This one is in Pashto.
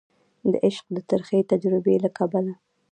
د عشق د ترخې تجربي له کبله